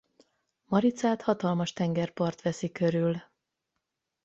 Maricát hatalmas tengerpart veszi körül.